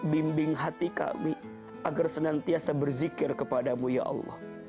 bimbing hati kami agar senantiasa berzikir kepadamu ya allah